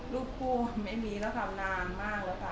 รูปคู่ไม่มีแล้วค่ะนาน่าอ่ะค่ะ